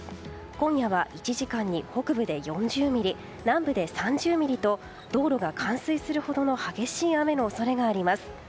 今夜は１時間に北部で４０ミリ南部で３０ミリと道路が冠水するほどの激しい雨の恐れがあります。